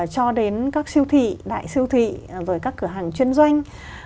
cho đến các siêu thị đại siêu thị rồi các cửa hàng chuyên doanh